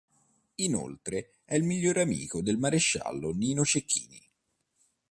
Inoltre è il migliore amico del maresciallo Nino Cecchini.